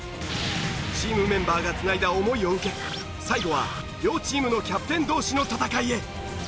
チームメンバーがつないだ思いを受け最後は両チームのキャプテン同士の戦いへ。